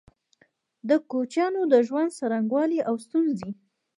د کوچيانو د ژوند څرنګوالی او ستونزي